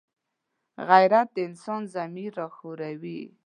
غیرت د انسان ضمیر راویښوي